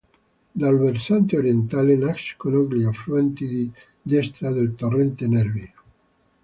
Dal versante orientale nascono gli affluenti di destra del torrente Nervi.